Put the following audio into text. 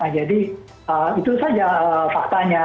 jadi itu saja faktanya